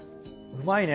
うまいね。